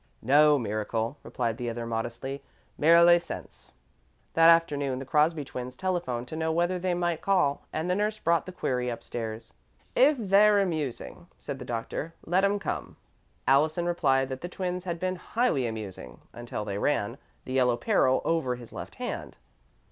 "No miracle," replied the other modestly. "Merely sense." That afternoon the Crosby twins telephoned to know whether they might call, and the nurse brought the query upstairs. "If they're amusing," said the doctor, "let 'em come." Allison replied that the twins had been highly amusing until they ran "The Yellow Peril" over his left hand.